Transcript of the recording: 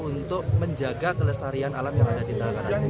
untuk menjaga kelestarian alam yang ada di tanah